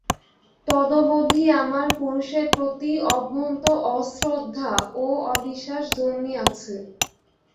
তদবধি আমার পুরুষের প্রতি অভ্যন্ত অশ্রদ্ধা ও অবিশ্বাস জন্মিয়াছে।